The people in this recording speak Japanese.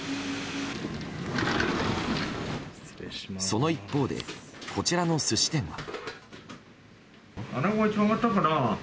その一方でこちらの寿司店は。